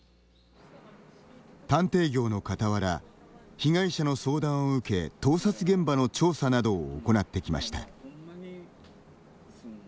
探偵業のかたわら被害者の相談を受け盗撮現場の調査などを行ってきました。